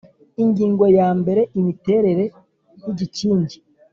Ingingo ya mbere Imiterere y igikingi